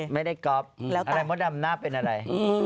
ไม่ได้ก๊อฟอะไรมดดำหน้าเป็นอะไร